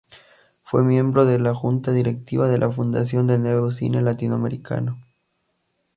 Fue miembro de la junta directiva de la Fundación del Nuevo Cine Latinoamericano.